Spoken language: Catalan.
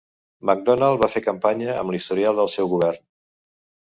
Macdonald va fer campanya amb l'historial del seu govern.